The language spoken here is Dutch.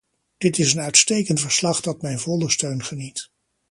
Dit is een uitstekend verslag dat mijn volle steun geniet.